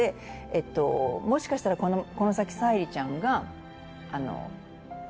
もしかしたらこの先沙莉ちゃんが。